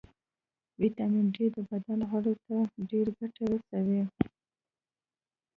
ويټامین ډي د بدن غړو ته ډېره ګټه رسوي